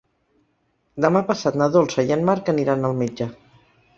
Demà passat na Dolça i en Marc aniran al metge.